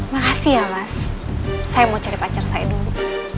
makasih ya mas saya mau cari pacar saya dulu